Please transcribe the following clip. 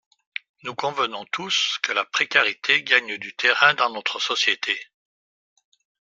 Nous convenons tous que la précarité gagne du terrain dans notre société.